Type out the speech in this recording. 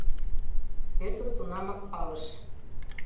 — Пӧтыр тунамак палыш.